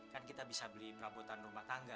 kan kita bisa beli perabotan rumah tangga